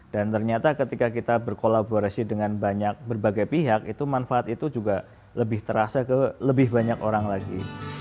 dan ternyata ketika kita berkolaborasi dengan banyak berbagai pihak manfaat itu juga lebih terasa ke lebih banyak orang lagi